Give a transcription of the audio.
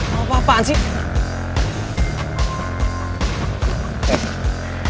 kalau apa apaan sih